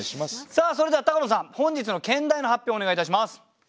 それでは高野さん本日の兼題の発表お願いいたします。